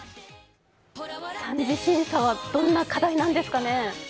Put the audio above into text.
３次審査は、どんな課題なんですかね。